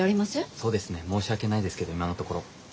そうですね申し訳ないですけど今のところ。